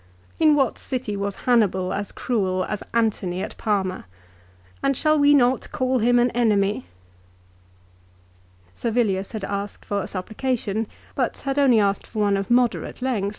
In what city was Hannibal as cruel as Antony at Parma ; and shall we not call him an enemy ?" Servilius had asked for a supplication, but had only asked for one of moderate length. 1 Philip, xiv.